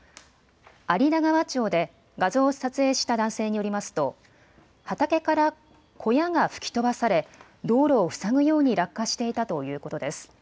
有田川町で画像を撮影した男性によりますと畑から小屋が吹き飛ばされ道路を塞ぐように落下していたということです。